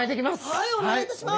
はいお願いいたします。